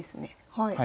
はい。